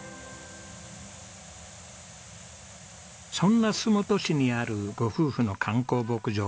そんな洲本市にあるご夫婦の観光牧場。